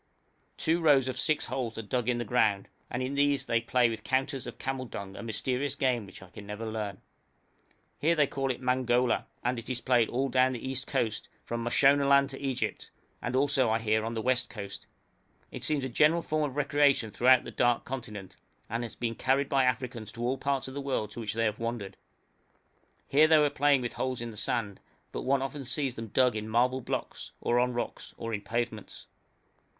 Two rows of six holes are dug in the ground, and in these they play with counters of camel dung a mysterious game which I never can learn. Here they call it mangola, and it is played all down the East Coast, from Mashonaland to Egypt, and also, I hear, on the West Coast; it seems a general form of recreation throughout the Dark Continent, and has been carried by Africans to all parts of the world to which they have wandered. Here they were playing with holes in the sand, but one often sees them dug in marble blocks, or on rocks, or in pavements.